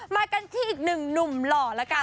มากันที่อีกหนึ่งหนุ่มหล่อละกัน